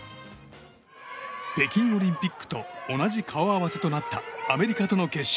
北京オリンピックと同じ顔合わせとなったアメリカとの決勝。